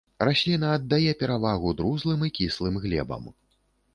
Расліна аддае перавагу друзлым і кіслым глебам.